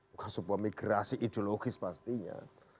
bukan sebuah migrasi ideologis pastinya